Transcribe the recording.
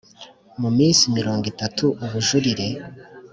mu minsi mirongo itatu Ubujurire